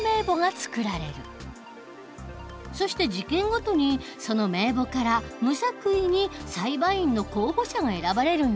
そして事件ごとにその名簿から無作為に裁判員の候補者が選ばれるんだ。